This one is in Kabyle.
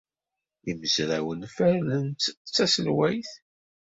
Imezrawen fernen-tt d taselwayt.